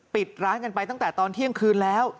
ปิดร้านกันไปตั้งแต่ตอนเที่ยงคืนแล้ว